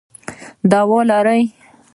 دوام لري ...